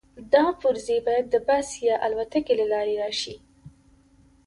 دا پرزې باید د بس یا الوتکې له لارې راشي